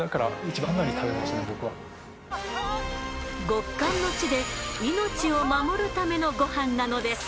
極寒の地で命を守るためのゴハンなのです。